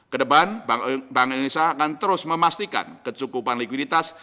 kedepan bank indonesia akan terus memastikan kecukupan likuiditas